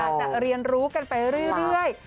จะเรียนรู้กันไปเรื่อย